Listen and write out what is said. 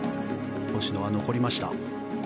星野は残りました。